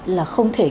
là không thể